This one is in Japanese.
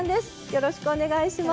よろしくお願いします。